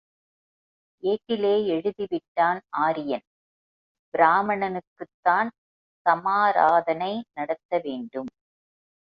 ஏட்டிலே எழுதிவிட்டான் ஆரியன், பிராமணனுக்குத் தான் சமாராதனை நடத்த வேண்டும்.